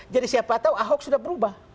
jadi siapa tahu ahok sudah berubah